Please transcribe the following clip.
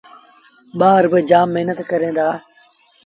ٻآر با جآم مهنت ڪريݩ دآ۔